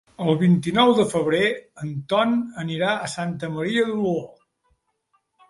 El vint-i-nou de febrer en Ton anirà a Santa Maria d'Oló.